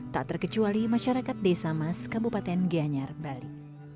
tak terkecuali masyarakat desa mas kabupaten gianyar bali